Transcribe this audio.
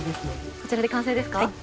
こちらで完成ですか？